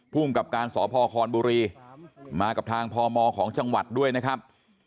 ภูมิกับการสพคอนบุรีมากับทางพมของจังหวัดด้วยนะครับ